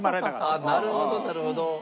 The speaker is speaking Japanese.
あっなるほどなるほど。